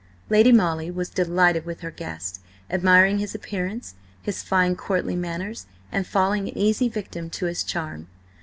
Lady Molly was delighted with her guest, admiring his appearance, his fine, courtly manners, and falling an easy victim to his charm.